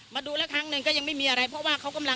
มาดูละครั้งหนึ่งก็ยังไม่มีอะไร